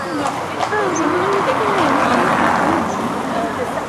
Cows are only female. Males are bulls